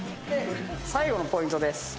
最後のポイントです。